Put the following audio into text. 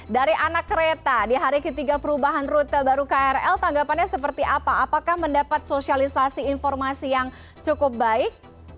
dari anak kereta di hari ketiga perubahan rute baru krl tanggapannya seperti apa apakah mendapat sosialisasi informasi yang cukup baik